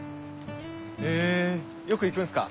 へぇよく行くんすか？